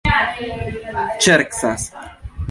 ŝercas